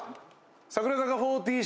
櫻坂４６